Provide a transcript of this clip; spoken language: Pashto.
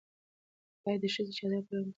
ایا د ښځې چادر په رنګ کې سور و؟